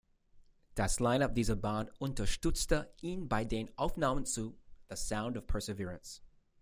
Das Line-Up dieser Band unterstützte ihn bei den Aufnahmen zu "The Sound of Perseverance".